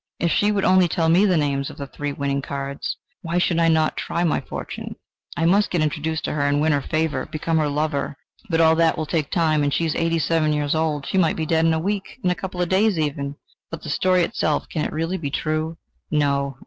if she would only tell me the names of the three winning cards. Why should I not try my fortune? I must get introduced to her and win her favour become her lover... But all that will take time, and she is eighty seven years old: she might be dead in a week, in a couple of days even!... But the story itself: can it really be true?... No!